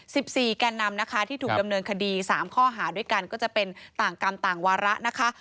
สิบสี่แกนนำนะคะที่ถูกดำเนินคดีสามข้อหาด้วยกันก็จะเป็นต่างกรรมต่างวาระนะคะ